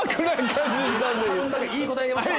多分いい答え出ました。